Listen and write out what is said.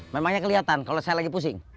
memangnya kelihatan kalau saya lagi pusing